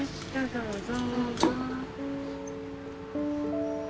どうぞ。